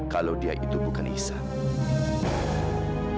kalau dia itu bukan ihsan